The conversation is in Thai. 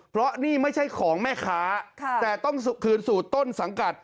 เพราะนี่ไม่ใช่ของแม่ค้าแต่ต้องคืนสู่ต้นสังกัด